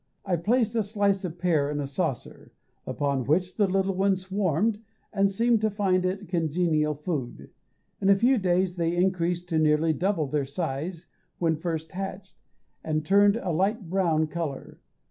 I placed a slice of pear in the saucer, upon which the little ones swarmed, and seemed to find it congenial food. In a few days they increased to nearly double their size when first hatched, and turned a light brown colour.